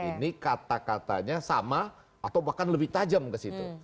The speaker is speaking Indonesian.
ini kata katanya sama atau bahkan lebih tajam ke situ